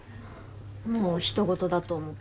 もう人ごとだと思って。